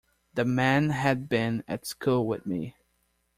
The man had been at school with me.